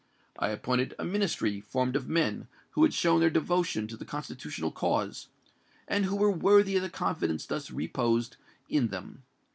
I appointed a Ministry formed of men who had shown their devotion to the Constitutional cause, and who were worthy of the confidence thus reposed in them.